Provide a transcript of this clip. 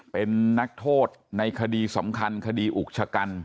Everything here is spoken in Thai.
เป็นนักโทษในคดีสำคัญคดีอุกชะกัน